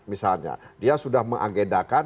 misalnya dia sudah mengagendakan